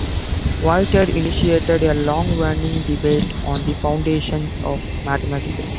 Whitehead, initiated a long running debate on the foundations of mathematics.